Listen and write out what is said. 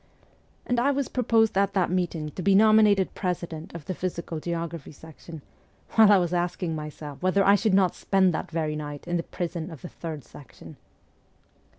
And I was proposed at that meeting to be nominated president of the Physical Geography section, while I was asking myself whether I should not spend that very night in the prison of the Third Section.